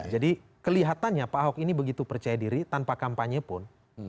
jadi kelihatannya pak hock ini begitu percaya diri tanpa kampanye pun